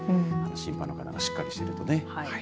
審判の方がしっかりしているとね。